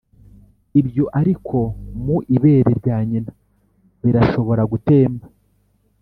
ibyo ariko mu ibere rya nyina birashobora gutemba;